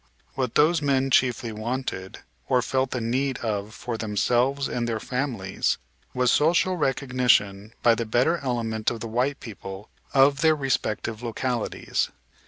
What those men chiefly wanted, or felt the need of for themselves and their families, was social recognition by the better element of the white people of their respective localities.